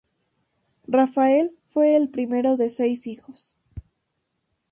Rafael fue el primero de seis hijos.